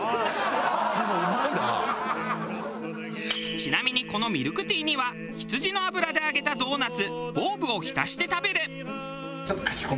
ちなみにこのミルクティーには羊の脂で揚げたドーナツボーブを浸して食べる。